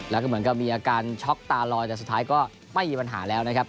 แล้วก็เหมือนกับมีอาการช็อกตาลอยแต่สุดท้ายก็ไม่มีปัญหาแล้วนะครับ